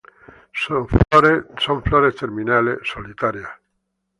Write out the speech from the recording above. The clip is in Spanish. Sus flores son terminales, solitarias.